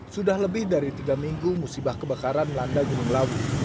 sudah lebih dari tiga minggu musibah kebakaran melanda gunung lawu